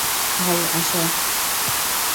ভাই, আসো।